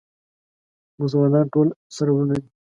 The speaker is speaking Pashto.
مسلمانان ټول سره وروڼه دي